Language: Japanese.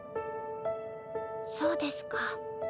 そうですか。